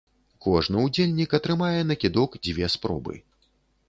Кожны ўдзельнік атрымае на кідок дзве спробы.